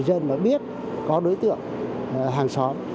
người dân mới biết có đối tượng hàng xóm